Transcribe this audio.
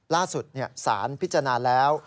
ล่าสุดสารพิจารณาแล้ว